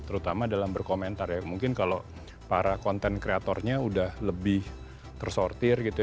terutama dalam berkomentar ya mungkin kalau para konten kreatornya udah lebih tersortir gitu